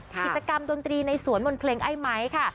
กิจกรรมดนตรีในสวนมนต์เพลงไอ้ไม้ค่ะ